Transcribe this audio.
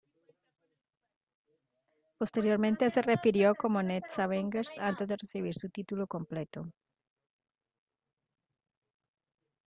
Posteriormente se refirió como "Next Avengers" antes de recibir su título completo.